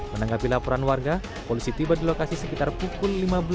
menanggapi laporan warga polisi tiba di lokasi sekitar pukul lima belas